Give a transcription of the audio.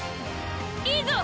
いいぞ！